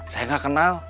saya enggak kenal